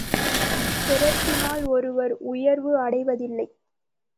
பிறப்பினால் ஒருவர் உயர்வு அடைவதில்லை.